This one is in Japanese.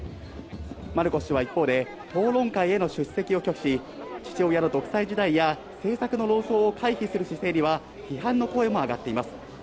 マルコス氏は一方で、討論会への出席を拒否し、父親の独裁時代や、政策の論争を回避する姿勢には、批判の声も上がっています。